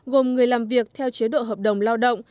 gồm người làm việc theo chế độ hợp đồng lao động